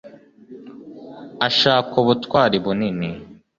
ashaka ubutwari, bunini